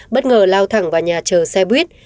bất ngờ lao thẳng vào nhà chở xe buýt